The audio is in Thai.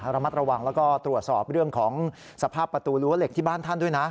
ระมัดระวังแล้วก็ตรวจสอบเรื่องของสภาพประตูรั้วเหล็กที่บ้านท่านด้วยนะ